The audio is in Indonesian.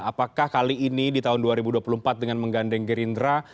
apakah kali ini di tahun dua ribu dua puluh empat dengan menggandeng gerindra